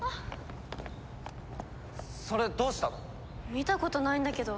見たことないんだけど。